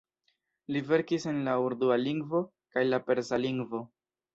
Li verkis en la urdua lingvo kaj la persa lingvo.